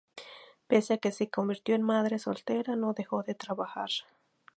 Pese a que se convirtió en madre soltera, no dejó de trabajar.